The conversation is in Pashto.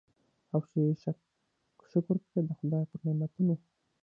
او چي شکر کړي د خدای پر نعمتونو